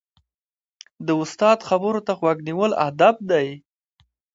د استاد خبرو ته غوږ نیول ادب دی.